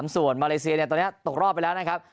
ส่วนมาเลเซียเนี่ยตอนนี้ตกรอบไปแล้วนะครับ